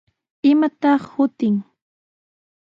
¿Imataq shutin?